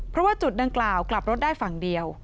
เพราะว่าจุดดังกล่าวกลับรถได้ฝั่งเดียว